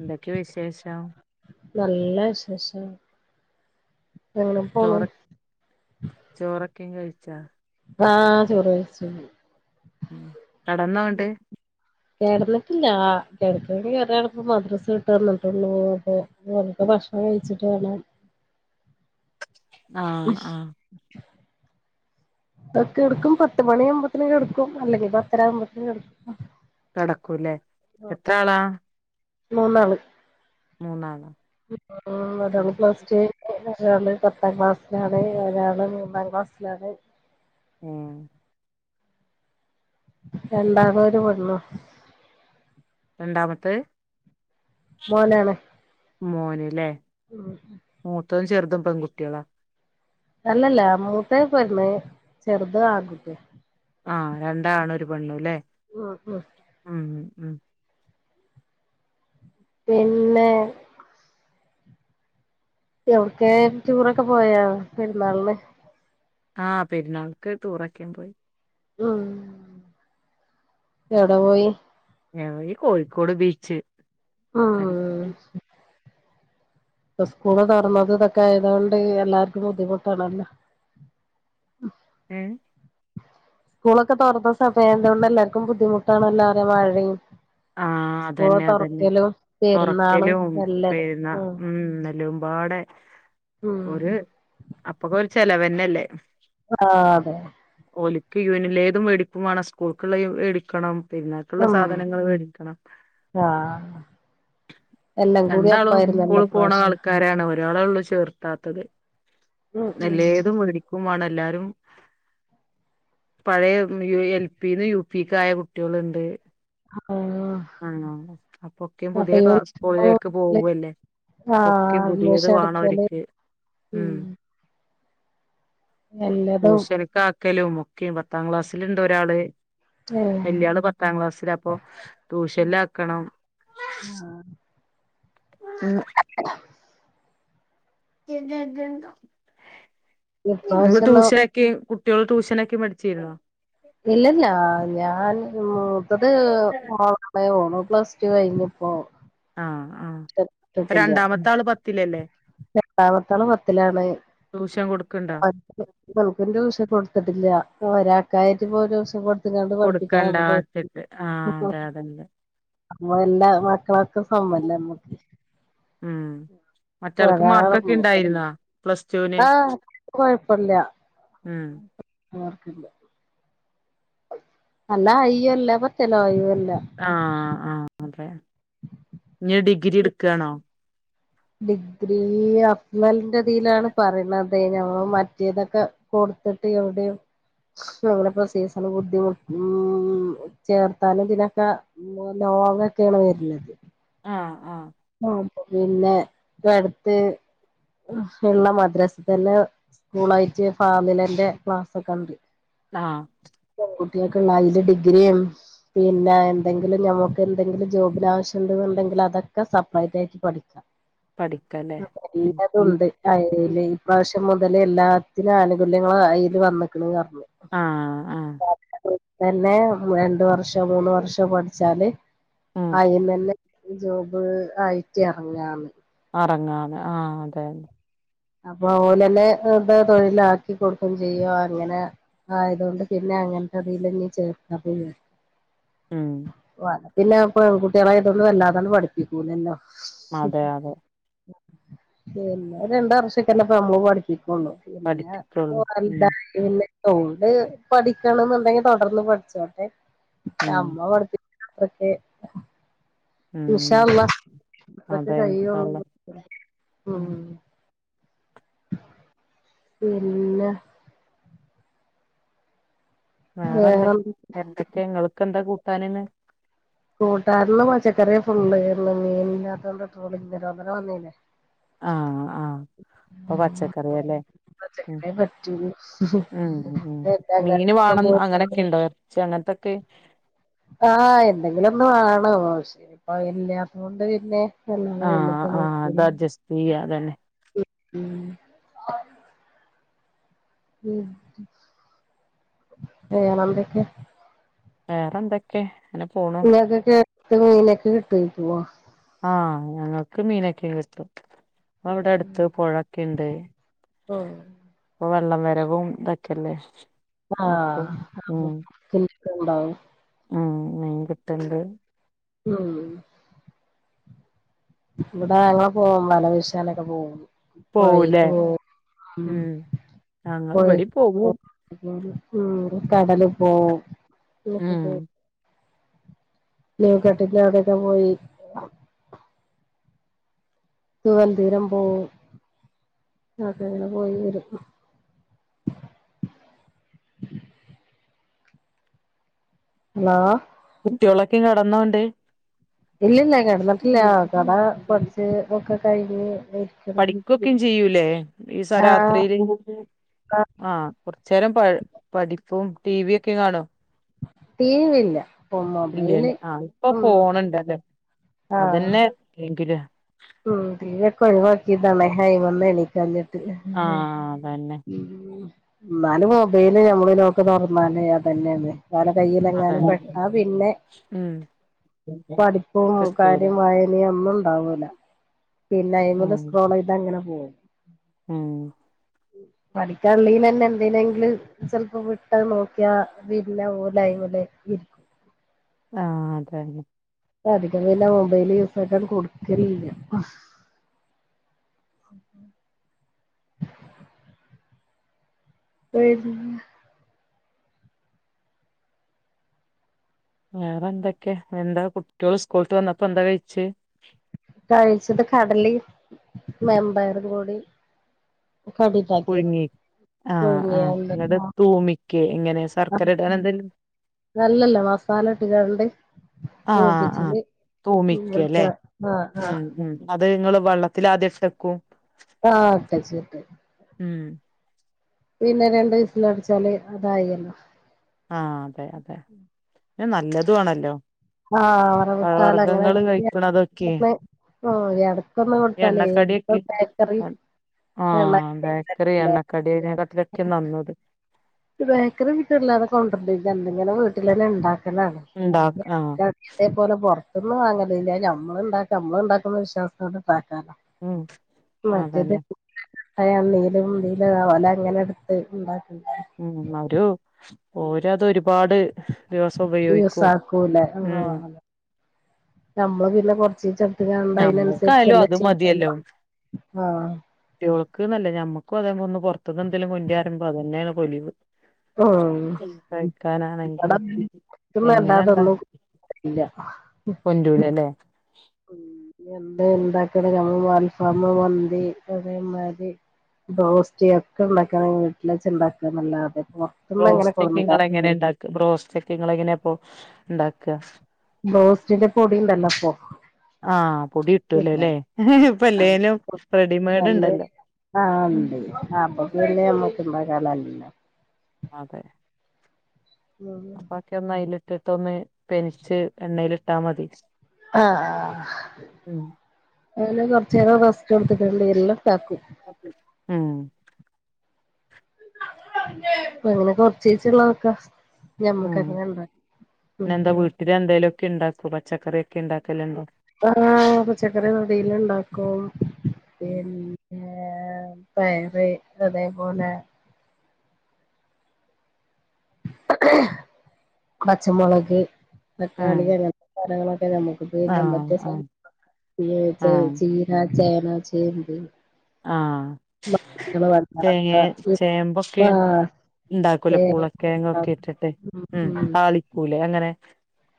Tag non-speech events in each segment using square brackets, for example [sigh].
എന്തൊക്കെ വിശേഷം നല്ല വിശേഷം എങ്ങനെ പോണ് ക്കെ കഴിച്ചാ ആഹ് ചോറ് കയ്ച്ചു ഉം കടന്നോണ്ട് [unintelligible] ല്ല കിടക്ക കേറണപ്പോ മദ്രസ ഇട്ട് വന്നിട്ടുള്ളു അപ്പൊക്കെ ഭക്ഷണം കഴിച്ചിട്ട് വേണം ആഹ് ആഹ് ഇതൊക്കെ എടുക്കും പത്ത് മണിയാവുമ്പത്തേന് കിടക്കും അല്ലെങ്കിൽ പത്തരകുമ്പത്തേനും കിടക്കും കെടക്കൂല്ലേ എത്ര ആളാ മൂന്നാള് മൂന്നാളാ ഉം ഒരാള് പ്ലസ് ടു കഴിഞ്ഞ് നിക്കേണ് ഒരാള് പത്താം ക്ലാസ്സിലാണ് ഒരാള് മൂന്നാം ക്ലാസ്സിലാണ് ഉം രണ്ടാമതൊരു പെണ്ണു രണ്ടാമത്തെത് മോനാണ് മോനല്ലേ ഉം മുത്തതും ചെറുതും പെൺകുട്ടികളാ അല്ലല്ല മൂത്തേ പെണ്ണ് ചെറുത് ആൺ കുട്ടി ആഹ് രണ്ടാണും ഒരു പെണ്ണും അല്ലെ ആ ആ ഉം പിന്നെ എവിടക്കെ ടൂറൊക്കെ പോയോ പെരുന്നാളിന് ആ പെരുന്നാൾക്ക് ടൂർ ഒക്കെ പോയി ഉം എവിടെ പോയി ഞങ്ങളീ കോഴിക്കോട് ബീച്ച് ആ അൽ ഇപ്പം സ്കൂൾ തെറന്നത് ഇതൊക്കെ ആയതു കൊണ്ട് എല്ലാർക്കും ബുദ്ധിമുട്ടാണല്ലോ ഉം ഏ സ്കൂളൊക്കെ തോറന്ന സമയ ആയതു കൊണ്ട് എല്ലാർക്കും ബുദ്ധിമുട്ടാണ് അല്ലേ മഴയും ആ സ്കൂള് അതന്നെ അതന്നെ തുറക്കലും പെരുന്നാളും തൊറക്കലും എല്ലതും പെരുന്നാളും ഉം നെലും പാടെ ഉം ഒര് അപ്പൊക്കൊറച്ച് ചെലവന്നല്ലേ ആ അതെ ഓലിക്ക് യു എനിലേതും മേടിക്കും വേണം സ്കൂൾക്കുള്ളേം എടുക്കണം പെരുനാൾകൊള്ള ഉം സാധനങ്ങൾ മേടി ആഹ് എല്ലാം കൂടി രണ്ടാളും ഒപ്പായിരുന്നല്ലോ സ്കൂളിൽ പോണ ഇപ്രാവശ്യം ആൾക്കാരാണ് ഒരാളെ ഉള്ളു ചേർത്താത്തത് ഉം ഉം നല്ലേതും മധിരിക്കുംവേണം എല്ലാരും പഴയ എൽ. പി ന്ന് യു. പിക്ക് ആയ കുട്ടികളുണ്ട് ആഹ് ആണോ അപ്പൊക്കെയും പുതിയ അപ്പൊ ക്ലാസ്സ് യൂണിഫോം സ്കൂളിലേക്ക് പോവ്വ്വല്ലേ ആഹ് ഒക്കെയും പുതിയത് അഡ്മിഷൻ വേണം എടുക്കല് അവർക്ക് ഉം എല്ലതും ട്യൂഷനക്കെ ആക്കലും ഒക്കെയും പത്താം ക്ലാസിലൊണ്ടൊരാള് ഏഹ് വല്യാള് പത്താംക്ളാസിലാ കുശലാക്കണം ആ എ എജന്ത നിങ്ങള് ഇപ്രാവശ്യൊന്നും ട്യൂഷനാക്കി കുട്ടികള് ട്യൂഷനാക്കി പടിച്ചിരുന്നോ ഇല്ലല്ല ഞാൻ മൂത്തത് മണേ പോണു പ്ലസ് ടു കഴിഞ്ഞിപ്പോ ആ ആഹ രണ്ടാമത്തെ ആള് പത്തില്ലല്ലേ രണ്ട്ടാമത്ത ആള് പത്തിലാണ് ട്യൂഷൻ കൊടുക്കണ്ടോ കൊടുത്തിട്ടില്ല ഒരാൾക്കായിട്ട് ഇപോ ഒരുദിവസം കൊ കൊടുക്കണ്ടാച്ചിട്ട് ആ അതെ അതല്ല അമ്മ എല്ലാ മാക്ക ഫാമ്മല്ലമ്മക്ക് അവർക്ക് മാർകൊക്കെ ണ്ടായിരുന്ന പ്ലസ്ടൂന് ആഹ് ഉം മാർക്കില്ല നല്ല അയ്യോല്ലേ പത്തലയ്യോല്ലേ ങാ ങാ അതേ ഞെടി ഗിരി എട്ക്ക്കാണോ ഡിഗ്രി അഫ്ലിന്റെ യിലാണ് പറയണ [unintelligible] മറ്റേതൊക്കെ കൊടുത്തിട്ട് എവിടെയും ശ്ശോ ഞ്ഞിപ്പോ സീസണ് ബുദ്ധിമു ഉം ചേർത്താനും ഇതിനൊക്കെ ലോങ്ങൊക്കെയാണ് വരിണത് ആ ആ പിന്നെ വിടെ അടുത്ത് ഉള്ള മദ്രാസത്തന്നെ സ്കൂളായിട്ട് ഫാമിലന്റെ ക്ലാസ്സൊക്കെ ഇണ്ട് ആഹ്‌ കുട്ടികക്കൊള്ള അതില് ഡിഗ്രിയും പിന്നെ എന്തെങ്കിലും നമുക്കെന്തെങ്കിലും ജോബിനാവശ്യമുണ്ടെങ്കിലതൊക്കെ സബ്ബായതായിട്ട് പഠിക്കാം പഠിക്കല്ലേ ഉം എല്ലതുണ്ട് അയ്ല് ഈ പ്രാവശ്യ മുതല് എല്ലാത്തിനും ആനുകൂല്യങ്ങളും അയ്ല് വന്നിക്കണ് ആ ആ പിന്നെ രണ്ട് വർഷോ മൂന്ന് വർഷോ പഠിച്ചാല് ഉം അയ്ന്നന്നെ ജോ ബ് ആയിട്ട് ഇറങ്ങാന്ന് അറങ്ങാന്ന് ആ അതെ അപ്പൊ ഓലെന്നെ ഇത് തൊഴിലാക്കി കൊടുക്കയും ചെയ്യും അങ്ങനെ ആയതോണ്ട് പിന്നെ അങ്ങനത്തെതില് നീ ചേർക്കാ [unintelligible] ഉം പിന്നെ പെൺകുട്ടിയാള് ആയതോണ്ട് വെല്ലാതങ്ങ് പഠിപ്പിക്കൂലല്ലോ. അതെ അതെ ചെയ്‌നോരണ്ട് വർഷ് [unintelligible] [unintelligible] പഠിപ്പിക്കുള്ളൂ ഉം ഓള് പഠിക്കണന്നുണ്ടെങ്കി തൊടർന്ന് പഠിച്ചോട്ടെ ഉം അമ്മ പഠിപ്പി ഓക്കെ ഉം ഇൻഷാ അതെ അള്ളാ അതൊക്കെ അതെ ഇൻഷാ കഴിയ്യോളു അള്ളാ [unintelligible] ഉം ഇല്ല വേറെന്തെ വേറെ എന്തൊക്കെയിങ്ങള് ക്കെന്താ കൂട്ടാനിന്ന്? കൂട്ടാനിന്ന് പച്ചക്കറിയാ ഫുള്ള് ഇന്ന് മീൻ ഇല്ലാത്തോണ്ട് ട്രോളിങ് നിരോധനം വന്നില്ലേ? ആ ആ അപ്പൊ പച്ചക്കറിയാല്ലേ ഉം പച്ചക്കറിയെ പറ്റൂള്ളൂ ഉം ഉം മീന് വാണം പോയി അങ്ങനേക്കെണ്ടോ ച്ചി അങ്ങനത്തൊക്കെ [unintelligible] പ്പത് ഇല്ല്യാത്തോണ്ട് പിന്നെ ആ അല്ലാതെ നമ്മക്ക് ആ നോക്കി അത അഡ്ജസ്റ്റെയ്യ അതന്നെ ഉം ഉം വേറൊന്തക്കെ വേറെന്തൊക്കെ ങ്ങക്കൊക്കെ ക്ക്‌ മീനൊക്കെ കിട്ടുവായിക്കുവോ? ആ ഞങ്ങക്ക് മീനെക്കെ കിട്ടും. അവടെ അടുത്ത് പൊഴക്കെണ്ട് [unintelligible] ഉം വെള്ളം വരവും ഇതൊക്കെയല്ലേ ആ [unintelligible] ക്കണ്ടാവും ഉം മീൻ കിട്ടണ്ട് ഉം ഇവിടെ ഞങ്ങള് പോവും വലവിശാനൊക്കെ പോവും പൊയേക്ക് പോവൂലേ പോവും ഉം ഞങ്ങൾ ഇവിടേം പൊയേക്ക് പോകും പോകും ഉം കടലും പോവും ഉം [unintelligible] ക്കെട്ടിൻ്റെ അവിടെയൊക്കെ പോയി [unintelligible] പോവും അക്കങ്ങനെ പോയിവരും ഹലോ കുട്ടികളൊക്കെ കെടന്നോണ്ട് ഇല്ലില്ല കെടന്നിട്ടില്ല കട കുറച്ച് ഒക്കെ [unintelligible] പഠിക്കുവൊക്കെണ്ട് ജീയൂലേ ഈ സ ആഹ് രാത്രിയില് ആ കുറച്ചേരം പ പഠി ഇപ്പോം ടി വി ഒക്കെ കാണോ? ടി വി ഇല്ല ഇപ്പൊ മൊബൈല് ഇല്ലല്ലേ ആഹ് ഇപ്പൊ ഉം ഫോണുണ്ടല്ലോ ആഹ് അതന്നെ എപ്പെങ്കിലുവാ ഉം ടീവിയൊക്കെ ഒഴിവാക്കിയതാണെ ഹായിമ്ന്ന് എണിക്കാഞ്ഞിട് ആഹ് അതന്നെ ഉ എന്നാലും മൊബൈല് ഞമ്മള് ലോക്ക് തുറന്നാല് അതന്നെയാണ് ഓലെ കയ്യിലെങ്ങാനും അതന്നെ പെട്ടാ പിന്നെ ഉം പഠിപ്പും കിട്ടൂല കാര്യം വായനേം ഒന്നും ഉണ്ടാവൂല പിന്നെ അയിമില് ഉം സ്ക്രോളെയ്ത് അങ് അങ്ങനെ പോവും ഉം പഠിക്കാനുള്ളെന്നെ എന്തിനെങ്കിലും ചെലപ്പോ വിട്ടത് നോക്കിയാ പിന്നെ ഓലയിമില് ഇരിക് ആഹ് അതെന്നെ അധികം പിന്നെ മൊബൈല് യൂസാക്കാൻ കൊടുക്കലില്ല പ വേറെ എന്തൊക്കെ എന്താ കുട്ട്യോള് സ്കൂള് വിട്ട് വന്നപ്പോ എന്താ കഴിച്ചെ കഴിച്ചത് കടല വൻപയർ കൂടി കടിണ്ടാക്കി പുഴുങ്ങി ആഹ് ആ ഇങ്ങട് തൂമി ആ നല്ലല്ലേ മസാല ഇട്ട കണ്ട് ആഹ് ആഹ് തൂപ്പിച്ചല്ക്ക തൂമിക്കല്ലേ ആ ആ വെള്ളത്തി ആദ്യക്ഷക്കും ആട്ട ചേട്ട് ഉം പിന്നെ രണ്ടു ദിവസ തുടച്ചാല് അതായല്ലോ ആ അതെ അതെ നല്ലതു വേണല്ലോ ആ വറ വിട്ടാല അങ്ങനെ കഴിക്കണതൊക്കെ ഓ ഇടക്കൊന്നും ഈ കൊടുത്താലേ എണ്ണക്കടിയൊക്കെ ബേക്കറി [inaudible] ആഹ് ബേക്കറി എണ്ണക്കടിനെക്കാട്ടിലൊക്കെ നന്നത് ബേക്കറി വീട്ടാതെ കൊണ്ടിണ്ട് എന്തെങ്ങനെ വീട്ടിലന്നെ ഉണ്ടാക്ക എനാണ് ഉണ്ടാക്ക ആഹ് ഞാൻ ഇതേ പോലെ പൊറത്ത് പുറത്തുന്ന് വാങ്ങലില്ല നമ്മള ഉണ്ടാക്ക നമ്മള ഉണ്ടാക്കുന്ന വിശ്വാസോ ഉം മറ്റേത് അതന്നെ അല്ലെങ്കിലും നീല പോല അങ്ങനെ എടുത്ത് ഉണ്ടാക്കിത ഉം അവരു പോരാത് ഒരുപാട് ദിവസം ഉപയോഗിക്കും ദിവസകുലേ ഉം ആഹ് നമ്മള് പിന്നെ കൊറചിച്ചേ നമ്മുക്കായാലും അത് മതിയല്ലോ ആഹ് കുട്ടിയോൾ നിങ്ങക്ക് ന്നാല്ല ഞമ്മക്കും അത്പോലെ പുറത്തുന്നു എന്തെങ്കിലും കൊണ്ട് വരുമ്പോ അത് തന്നെയാ പൊലിവ് ഓഹ് എട കഴിക്കാനാണെങ്കിലും എങ്ങനെ ഉണ്ടാ ഇന്നാതൊന്നും ല്ല കൊണ്ടൂലല്ലേ ഇണ്ടാക്കണിൽ ഞമ്മള് മന്തി അതേമാരി ബ്രോസ്റ്റ് ഒക്കെ ഇണ്ടാക്കാണെങ്കി വീട്ടിൽ വെച്ച് ഇണ്ടാക്ക നല്ലത് ബ്രോസ്റ്റൊക്കെങ്ങളെങ്ങനെ ഇണ്ടാക്ക ബ്രോസ്റ്റൊക്കെങ്ങളെ ങ്ങനപ്പൊ ഇണ്ടാക്ക ബോസ്റ്റിന്റെ പൊടി ഇണ്ടല്ലൊപ്പൊ ആഹ് പൊടി കിട്ടൂലലെ ഇപ്പെ ല്ലേലും റെഡിമെയ്ഡ് നല്ല ഇണ്ടല്ലോ ആഹ് ളാലല്ല മാതെ ഓക്കെ ന്നയില് ഇതൊന്ന് പെനിച്ച് എണ്ണേലിട്ടാ മതി ആഹ് ആഹ് ഉം അതിന് കൊറച്ചേരം റസ്റ്റ് കൊടുതി ട്ട്ണ്ട് എല്ലാം താക്കും ഉം അപങ്ങനെ കൊറച്ചീച്ചള്ളതൊക്ക ഉം ഞമ്മക്ങ്ങെന ഇണ്ടാ ക്കെ ഇണ്ടാക്കും പച്ചക്കറിയൊക്കെ ഇണ്ടാക്കല്ണ്ട് ആഹ് പച്ചക്കറി അവിയില്ഇണ്ടാക്കും ഉം പിന്ന പയറ് അതേപോലെ പച്ചമുളക് ഉം തക്കാളി അങ്ങന് ത്തെ സാനങ്ങള നമുക്ക്പം ഈ ആഹ് കമ്പതെ ആഹ് സാന ആഹ് ചേനാ ചേമ്പ് ആഹ് മഞ്ഞള് വത്തളക്ക തേങ്ങേ ആഹ് ചേമ്പൊക്കെ ഇണ്ടാക്കൊലെ പൂളൊ തേങ്ങ ങ്ങേക്കെ ഇട്ടിട്ട് ഉം താളിക്കൂലെ അ ങ്ങനെ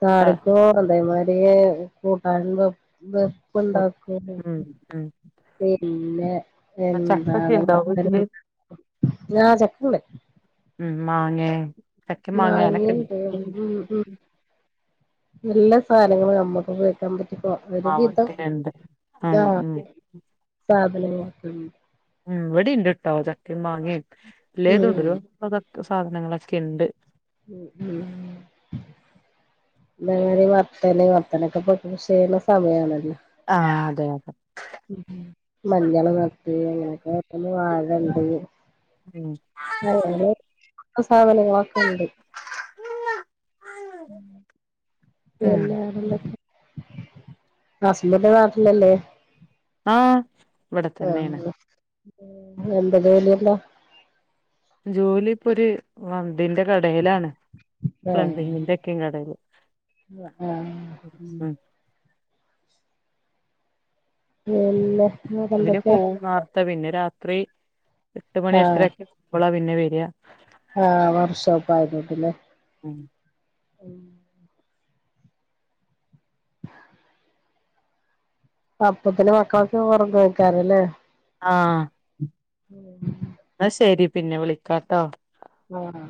താളിക്കും അതേമാരി കൂട്ടാന്നും വെപ്പ് ണ്ടാക്കൂലെ ഉം ഉം പിന്നെ ആഹ് ചക്കൊക്കെ എന്താണ് ഉണ്ടോ വീട്ടില് [unintelligible] ആ ചക്കണ്ട് ഉം മാങ്ങേ ചക്കെ മാങ്ങന്ക്ക് മാങ്ങണ്ട് ഉണ്ട് ഉം ഉം എല്ലാ സാനങ്ങളും നമ്മുക്കുപോയിക്കാൻ പറ്റു ആവട്ടെരണ്ട് ഉം ഉം വെല്ലോ വർക്കും ഉം ഇവിടീണ്ടട്ടോ ചക്കേം മാങ്ങേം ലേതു ഉം കൊണ്ടുവരോ അതോ സാധനങ്ങളൊക്കെണ്ട് ഉം ഉം നേരെ വർത്താന് വർത്താനൊക്കെ പറഞ്ഞ് ചെയ്യണ സമയാണല്ല ആ അതെ അതെ മഞ്ഞള് നട്ട് അങ്ങനെയൊക്കെ പിന്നെ വാഴണ്ട് [unintelligible] ഉം അവിടെ സാധനങ്ങളൊക്കെണ്ട് ഉം ഉം എല്ലാം ഉള്ളപ്പം ഹസ്ബൻ്റ് നാട്ടിലല്ലേ ആ ഇവിടെ തന്നെയാണ് എന്റത് വരണില്ല ജോലി ഇപ്പോ ഒര് വന്ന് ണ്ടിന്റെ കടേലാണ് ആഹ് പ്ലംബിങ്ങിൻ്റൊക്കെ കടേല് ആഹ് ഉം എല്ലാ അതിന് പോകും നേർത്തെ പിന്നെ രാ ത്രീ എട്ട് മണി എട്ടരൊക്കെ ആവുമ്പളാ പിന്നെ വെ [unintelligible] ആ വർക്ക്ഷോപ്പ് ആയതോണ്ട് ല്ലേ ഉം ഉം അപ്പൊത്തിനും മക്കളൊക്കെ ഒറങ്ങു [unintelligible] ആഹ് ഇന്നാ ശരി. പിന്നെ വിളിക്കാട്ടോ ആഹ് ആഹ്